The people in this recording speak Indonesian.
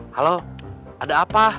halo ada apa